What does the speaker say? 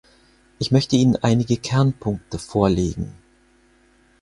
Ich möchte Ihnen einige Kernpunkte vorlegen.